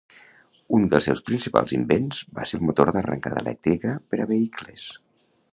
Un dels seus principals invents va ser el motor d'arrencada elèctrica per a vehicles.